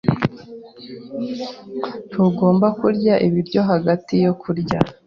Ntugomba kurya ibiryo hagati yo kurya.